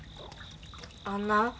あんな。